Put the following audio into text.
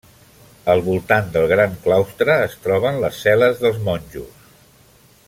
Al voltant del gran claustre es troben les cel·les dels monjos.